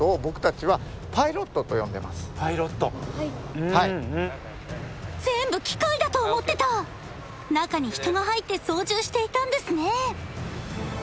はいパイロットはい全部機械だと思ってた中に人が入って操縦していたんですね